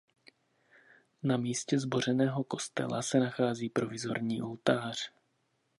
Na místě zbořeného kostela se nachází provizorní oltář.